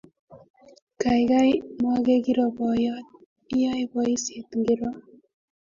Gaigai, mwagee kiro boiyot,"Iyoe boisiet ngiro?"